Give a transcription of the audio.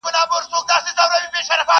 o وران کې هغه کلي، چي پر گرځي دا نتلي٫